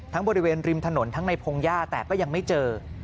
บริเวณริมถนนทั้งในพงหญ้าแต่ก็ยังไม่เจอ